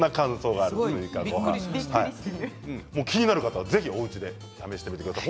気になる方はぜひおうちで試してください。